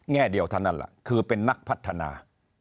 แง่เดียวทั้งนั้นคือเป็นนักพัฒนา